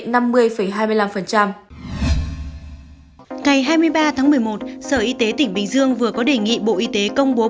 ngày hai mươi ba tháng một mươi một sở y tế tỉnh bình dương vừa có đề nghị bộ y tế công bố